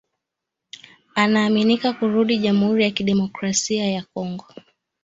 anaaminika kurudi jamhuri ya kidemokrasia ya Kongo